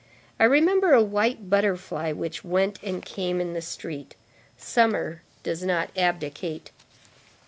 I remember a white butterfly which went and came in the street. Summer does not abdicate.